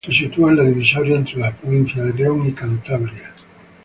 Se sitúa en la divisoria entre la provincia de León y Cantabria.